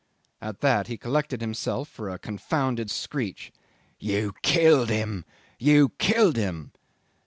At that he collected himself for a confounded screech. 'You killed him! You killed him!